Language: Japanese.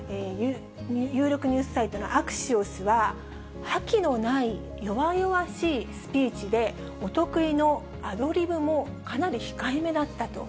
有力ニュースサイトのアクシオスは、覇気のない弱々しいスピーチで、お得意のアドリブもかなり控えめだったと。